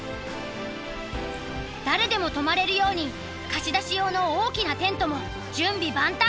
誰でも泊まれるように貸し出し用の大きなテントも準備万端。